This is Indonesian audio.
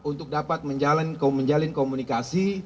untuk dapat menjalin komunikasi